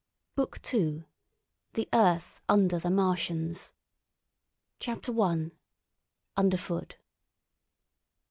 BOOK TWO THE EARTH UNDER THE MARTIANS. I. UNDER FOOT.